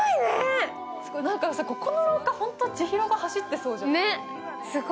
なんかここの廊下、本当に千尋が走ってそうじゃない？